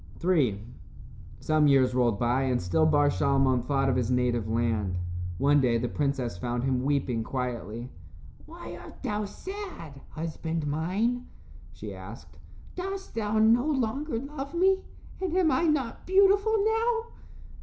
III Some years rolled by and still Bar Shalmon thought of his native land. One day the princess found him weeping quietly. "Why art thou sad, husband mine?" she asked. "Dost thou no longer love me, and am I not beautiful now?"